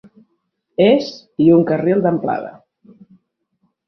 És i un carril d'amplada.